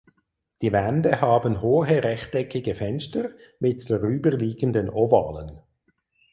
Die Wände haben hohe rechteckige Fenster mit darüber liegenden ovalen.